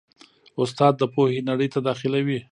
استاد د پوهې نړۍ ته داخلوي.